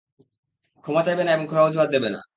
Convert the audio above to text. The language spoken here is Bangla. ক্ষমা চাইবে না এবং খোঁড়া অজুহাত দেবে না।